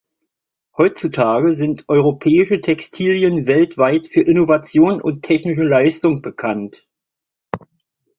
Heutzutage sind europäische Textilien weltweit für Innovation und technische Leistung bekannt.